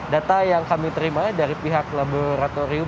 data yang kami terima dari pihak laboratorium